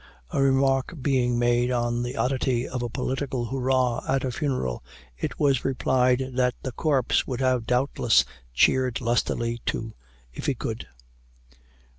A remark being made on the oddity of a political hurrah at a funeral, it was replied that the corpse would have doubtless cheered lustily too, if he could.